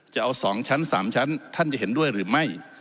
จะเอา๒ชั้น๓ชั้นท่านจะเห็นด้วยหรือไม่